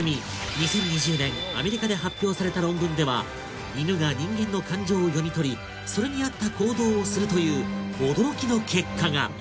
２０２０年アメリカで発表された論文では「犬が人間の感情を読み取りそれにあった行動をする」という驚きの結果が！